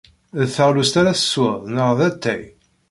D taɣlust ara teswed neɣ d atay?